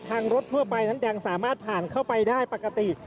รถทั่วไปนั้นยังสามารถผ่านเข้าไปได้ปกติ